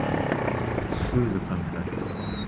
Screw the contract!